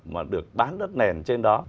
mà được bán đất nền trên đó